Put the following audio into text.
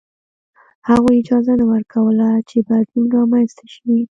هغوی اجازه نه ورکوله چې بدلون رامنځته شي.